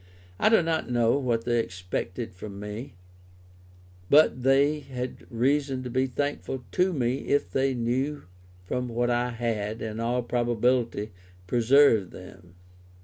I do not know what they expected from me; but they had reason to be thankful to me if they knew from what I had, in all probability preserved them.